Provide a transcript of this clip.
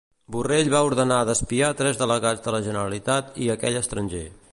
Borrell va ordenar d'espiar tres delegats de la Generalitat i aquell estranger.